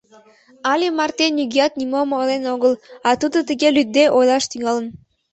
Але марте нигӧат нимом ойлен огыл, а тудо тыге лӱдде ойлаш тӱҥалын.